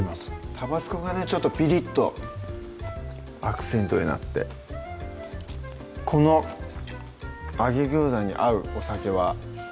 タバスコがねちょっとピリッとアクセントになってこの揚げ餃子に合うお酒は？